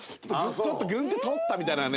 ちょっと軍手取ったみたいなね